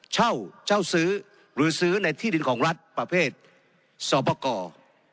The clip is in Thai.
เช่าเช่าซื้อหรือซื้อในที่ดินของรัฐประเภทสอบประกอบ